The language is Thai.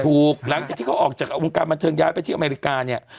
หลังจากที่เขาออกจากวงการบันเทิงย้ายไปที่อเมริกาเนี่ย